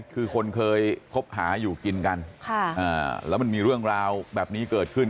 คือคนเคยคบหาอยู่กินกันแล้วมันมีเรื่องราวแบบนี้เกิดขึ้น